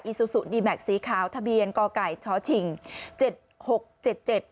ซูซูดีแม็กซสีขาวทะเบียนกไก่ช้อชิงเจ็ดหกเจ็ดเจ็ด